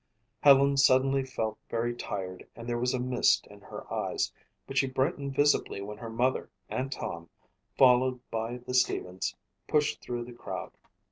Helen suddenly felt very tired and there was a mist in her eyes, but she brightened visibly when her mother and Tom, followed by the Stevens, pushed through the crowd.